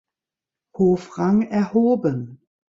Hofrang erhoben.